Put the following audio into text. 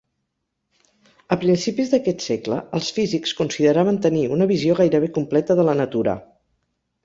A principis d'aquest segle, els físics consideraven tenir una visió gairebé completa de la natura.